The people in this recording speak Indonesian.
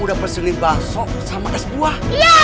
om udah perseling bakso sama es buah